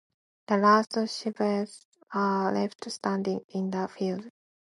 The last sheaves are left standing in the field.